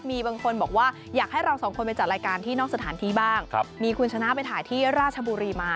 มีบางคนบอกว่าอยากให้เราสองคนไปจัดรายการที่นอกสถานที่บ้างมีคุณชนะไปถ่ายที่ราชบุรีมา